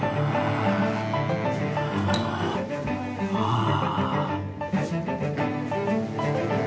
ああ。